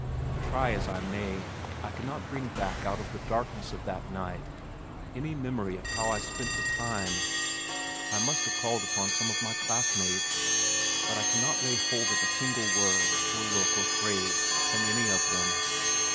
Try as I may, I cannot bring back out of the darkness of that night any memory of how I spent the time. I must have called upon some of my classmates, but I cannot lay hold upon a single word or look or phrase from any of them.